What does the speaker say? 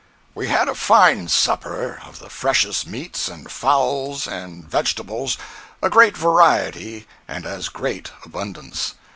We had a fine supper, of the freshest meats and fowls and vegetables—a great variety and as great abundance.